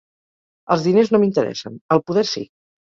Els diners no m'interessen; el poder sí.